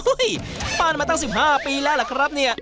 ปั้นมาตั้ง๑๕ปีแล้วล่ะครับเนี่ย